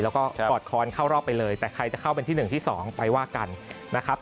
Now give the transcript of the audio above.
แล้วก็กอดค้อนเข้ารอบไปเลยแต่ใครจะเข้าเป็นที่๑ที่๒ไปว่ากันนะครับ